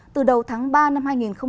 từ đầu tháng ba năm hai nghìn